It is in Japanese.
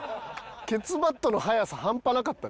ケツバットの速さ半端なかった。